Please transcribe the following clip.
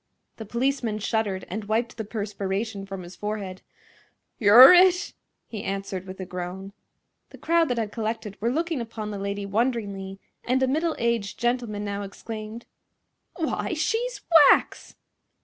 The policeman shuddered and wiped the perspiration from his forehead. "You're it!" he answered, with a groan. The crowd that had collected were looking upon the lady wonderingly, and a middle aged gentleman now exclaimed: "Why, she's wax!"